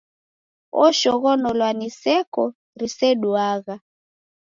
Oshoghonolwa ni seko riseduagha!